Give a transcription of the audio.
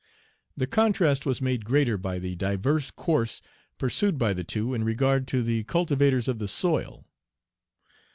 The contrast was made greater by the diverse course pursued by the two in regard to the cultivators of the soil.